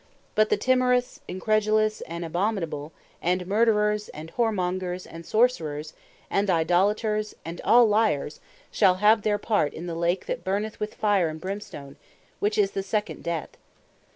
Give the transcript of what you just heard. "But the timorous, incredulous, and abominable, and Murderers, and Whoremongers, and Sorcerers, and Idolators, and all Lyars, shall have their part in the Lake that burneth with Fire, and Brimstone; which is the second Death."